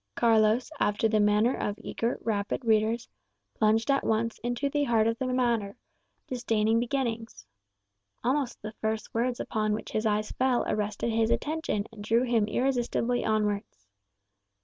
Carlos, after the manner of eager, rapid readers, plunged at once into the heart of the matter, disdaining beginnings. Almost the first words upon which his eyes fell arrested his attention and drew him irresistibly onwards.